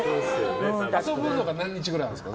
遊ぶのが何日ぐらいあるんですか。